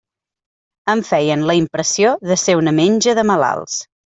Em feien la impressió de ser una menja de malalts.